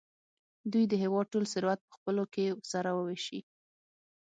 دوی د هېواد ټول ثروت په خپلو کې سره وېشي.